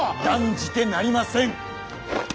断じてなりません！